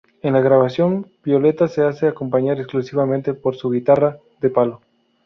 En la grabación, Violeta se hace acompañar exclusivamente por su guitarra "de palo".